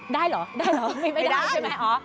ได้เหรอได้เหรอไม่ได้ใช่ไหมอ๋อ